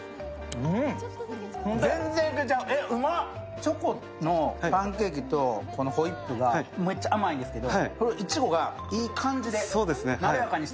チョコのパンケーキとホイップがめっちゃ甘いんですけどそれをいちごがいい感じでまろやかにして。